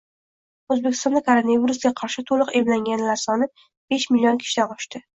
O‘zbekistonda koronavirusga qarshi to‘liq emlanganlar sonibeshmln kishidan oshdi